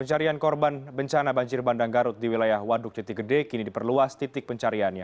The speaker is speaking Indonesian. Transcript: pencarian korban bencana banjir bandang garut di wilayah waduk jati gede kini diperluas titik pencariannya